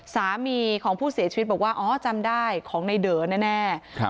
สามีของผู้เสียชีวิตบอกว่าอ๋อจำได้ของในเด๋อแน่